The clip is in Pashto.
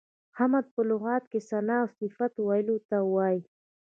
حمد په لغت کې ثنا او صفت ویلو ته وایي.